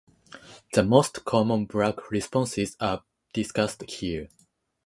The most common Black responses are discussed here.